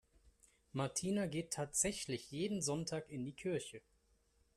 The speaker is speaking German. Martina geht tatsächlich jeden Sonntag in die Kirche.